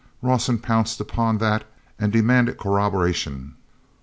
Rawson pounced upon that and demanded corroboration.